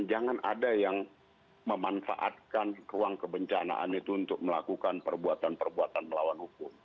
jangan ada yang memanfaatkan ruang kebencanaan itu untuk melakukan perbuatan perbuatan melawan hukum